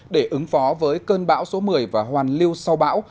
để ứng phó với cơn bão số một mươi và hoàn lưu sau bão